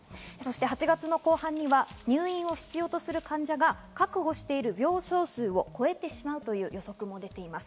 ８月の後半には入院を必要とする患者が確保している病床数を超えてしまうという予測も出ています。